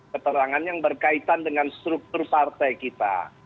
keterangan yang berkaitan dengan struktur partai kita